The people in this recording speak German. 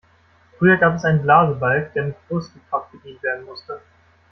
Früher gab es einen Blasebalg, der mit Muskelkraft bedient werden musste.